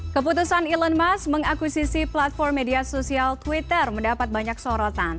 keputusan elon musk mengakusisi platform media sosial twitter mendapat banyak sorotan